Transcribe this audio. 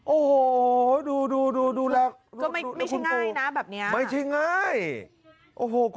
โอ้โหดูดูแล้วไม่ใช่ง่ายนะแบบนี้ไม่ใช่ง่ายโอ้โหครูผู้ชมครับ